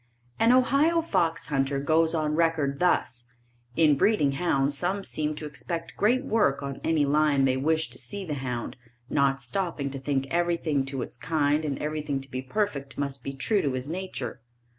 An Ohio Fox Hunter goes on record thus: In breeding hounds some seem to expect great work on any line they wish to see the hound, not stopping to think everything to its kind and everything to be perfect must be true to his nature.